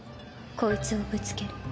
こいつをぶつける。